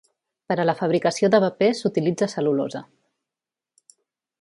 Per a la fabricació de paper s'utilitza cel·lulosa.